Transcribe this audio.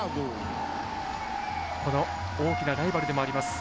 この大きなライバルでもあります